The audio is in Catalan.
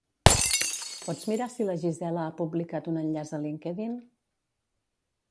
Pots mirar si la Gisela ha publicat un enllaç a LinkedIn?